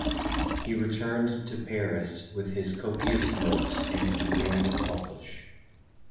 He returned to Paris with his copious notes and began to publish.